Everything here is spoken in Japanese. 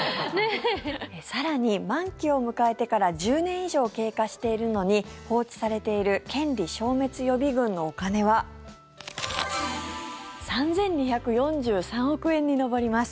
更に、満期を迎えてから１０年以上経過しているのに放置されている権利消滅予備軍のお金は３２４３億円に上ります。